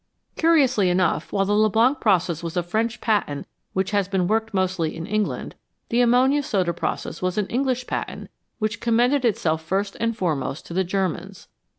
Curiously enough, while the Leblanc process was a French patent which has been worked mostly in England, the ammonia soda process was an English patent which com mended itself first and foremost to the Germans.